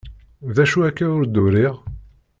D acu akka ur d-uriɣ?